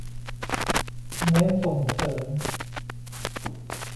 เน้นส่งเสริม